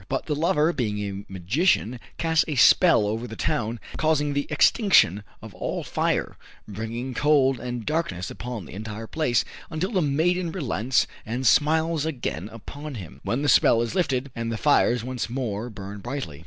But the lover being a magician, casts a spell over the town, causing the extinction of all fire, bringing cold and darkness upon the entire place, until the maiden relents and smiles again upon him, when the spell is lifted and the fires once more burn brightly.